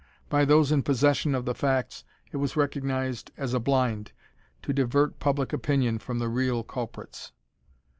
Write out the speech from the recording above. By those in possession of the facts it was recognized as "a blind," to divert public opinion from the real culprits.